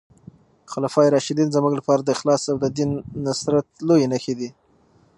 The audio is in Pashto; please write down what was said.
خلفای راشدین زموږ لپاره د اخلاص او د دین د نصرت لويې نښې دي.